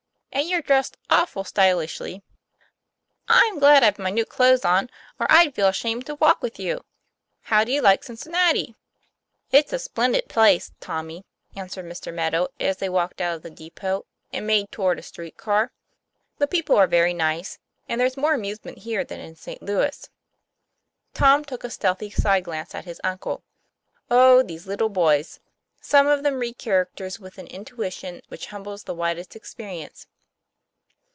And you're dressed awful stylishly. I'm glad I've my new clothes on, or I'd feel ashamed to walk with you. How do you like Cincinnati ?" TOM PLA YFAIR. 131 "It's a splendid place, Tommy," answered Mr. Meadow as they walked out of the depot and made toward a street car. 'The people are very nice; and there's more amusement here than in St. Louis." Tom took a stealthy side glance at his uncle. Oh, these little boys! Some of them read characters with an intuition which humbles the widest experience.